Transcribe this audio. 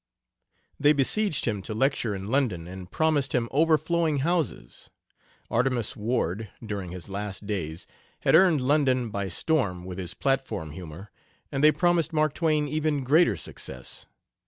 They besieged him to lecture in London, and promised him overflowing houses. Artemus Ward, during his last days, had earned London by storm with his platform humor, and they promised Mark Twain even greater success.